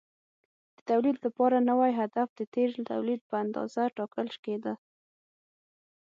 د تولید لپاره نوی هدف د تېر تولید په اندازه ټاکل کېده.